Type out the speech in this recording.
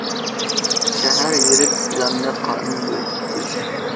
شەھەر يىرىك پىلانىنى قانۇن بويىچە تۈزۈش.